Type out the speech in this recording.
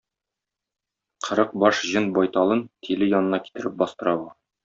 Кырык баш җен байталын Тиле янына китереп бастыра бу.